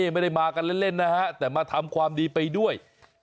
ไม่ได้มากันเล่นนะฮะแต่มาทำความดีไปด้วย